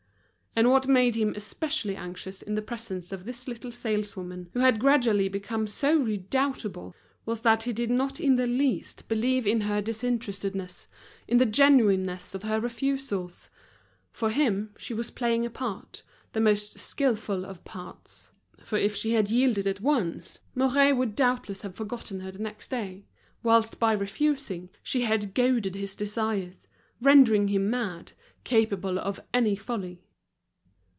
And what made him especially anxious in the presence of this little saleswoman, who had gradually become so redoubtable, was that he did not in the least believe in her disinterestedness, in the genuineness of her refusals. For him she was playing a part, the most skilful of parts; for if she had yielded at once, Mouret would doubtless have forgotten her the next day; whilst by refusing, she had goaded his desires, rendering him mad, capable of any folly.